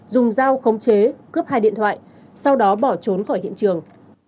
dùng dao khống chế cướp hai điện thoại sau đó bỏ trốn khỏi hiện trường